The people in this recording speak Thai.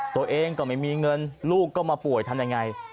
ตัวเองก็ไม่มีเงินลูกก็มาป่วยทำยังไง